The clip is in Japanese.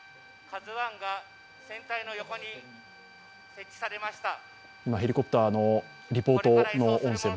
「ＫＡＺＵⅠ」が船体の横に設置されました。